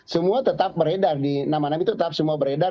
semua tetap beredar di nama nama itu tetap semua beredar